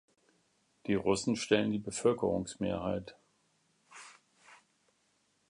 Die Russen stellen die Bevölkerungsmehrheit.